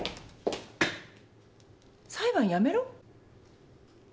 裁判やめろ？